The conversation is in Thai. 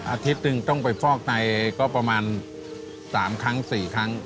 อาทิตย์หนึ่งต้องไปฟอกไตก็ประมาณ๓ครั้ง๔ครั้ง